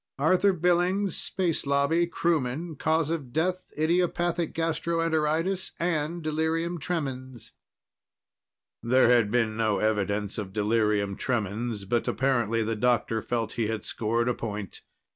"Arthur Billings. Space Lobby. Crewman. Cause of death, idiopathic gastroenteritis and delirium tremens." There had been no evidence of delirium tremens, but apparently the doctor felt he had scored a point.